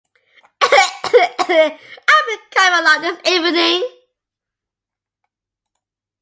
I've been coughing a lot this evening.